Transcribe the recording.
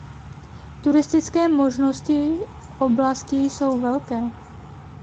Turistické možnosti oblasti jsou velké.